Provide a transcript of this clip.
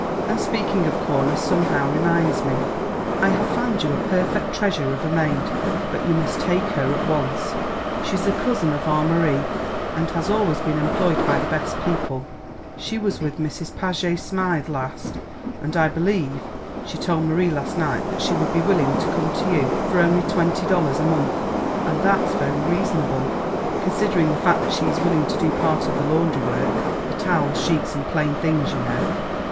And speaking of corners somehow reminds me, I have found you a perfect treasure of a maid; but you must take her at once. She's a cousin of our Marie, and has always been employed by the best people. She was with Mrs. Paget Smythe last, I believe. She told Marie last night that she would be willing to come to you for only twenty dollars a month, and that's very reasonable, considering the fact that she is willing to do part of the laundry work, the towels, sheets and plain things, you know.